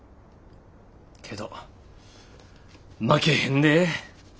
けど負けへんで。